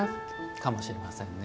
かもしれませんね。